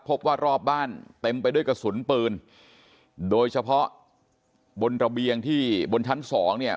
พบว่ารอบบ้านเต็มไปด้วยกระสุนปืนโดยเฉพาะบนระเบียงที่บนชั้นสองเนี่ย